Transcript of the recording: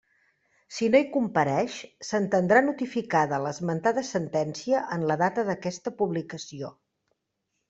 Si no hi compareix, s'entendrà notificada l'esmentada sentència en la data d'aquesta publicació.